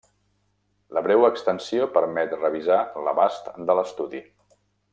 La breu extensió permet revisar l'abast de l'estudi.